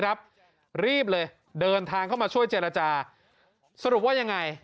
รีบเลยเดินทางเข้ามาช่วยเจรจาสรุปว่ายังไง